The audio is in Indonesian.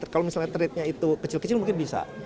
kalau misalnya tradenya itu kecil kecil mungkin bisa